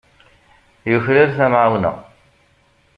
Yuklal tamɛawna.